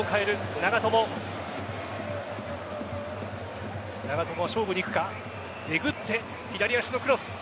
長友は勝負にいくかえぐって左足のクロス。